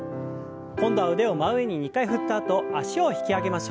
今度は腕を真上に２回振ったあと脚を引き上げましょう。